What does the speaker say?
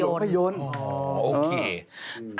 เป็นบทภาพยนตร์โอเค